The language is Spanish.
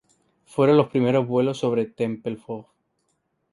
Fueron los primeros vuelos sobre Tempelhof.